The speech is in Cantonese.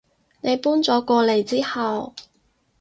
你搬咗過嚟之後